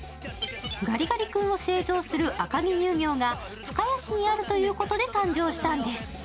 ガリガリ君を製造する赤城乳業が深谷市にあるということで誕生したんです。